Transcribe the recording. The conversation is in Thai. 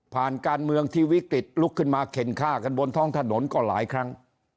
การเมืองที่วิกฤตลุกขึ้นมาเข็นฆ่ากันบนท้องถนนก็หลายครั้ง